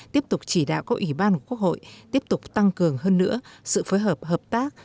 tiếp tục chỉ đạo các ủy ban của quốc hội tiếp tục tăng cường hơn nữa sự phối hợp hợp tác